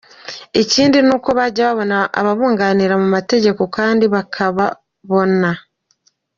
Ikindi ni uko bajya babona ababunganira mu mategeko kandi bakabonana.